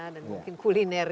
dan mungkin kulinernya sekarang